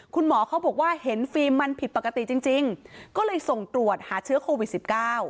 คุณหมอเขาบอกว่าเห็นฟีมมันผิดปกติจริงก็เลยส่งตรวจหาเชื้อโควิด๑๙